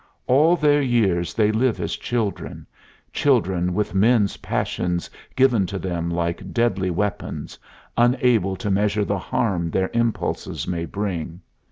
All their years they live as children children with men's passions given to them like deadly weapons, unable to measure the harm their impulses may bring.